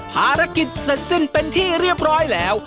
ภารกิจเสร็จสิ้นเป็นที่เรียบร้อยแล้ว